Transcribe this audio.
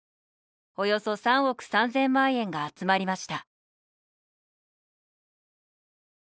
およそ３億３０００万円が集まりました。